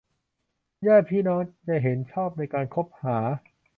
ญาติพี่น้องจะเห็นชอบในการคบหา